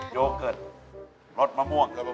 โยเกิร์ตรสมะม่วง